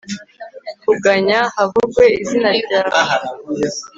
kuganya, havugwe izina ryawe